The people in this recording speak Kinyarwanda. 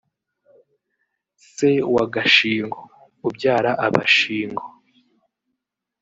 Se wa Gashingo (ubyara Abashingo)